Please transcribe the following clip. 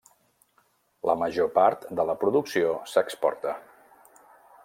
La major part de la producció s'exporta.